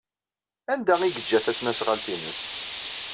Anda ay yeǧǧa tasnasɣalt-nnes?